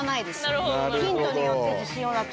なるほどね。